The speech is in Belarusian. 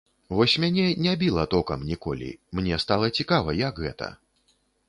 Вось мяне не біла токам ніколі, мне стала цікава, як гэта.